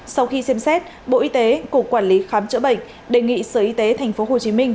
sau khi xem xét bộ y tế cục quản lý khám chữa bệnh đề nghị sở y tế tp hcm